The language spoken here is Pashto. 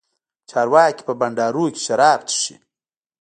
چارواکي په بنډارونو کښې شراب چښي.